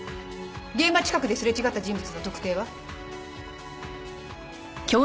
現場近くですれ違った人物の特定は？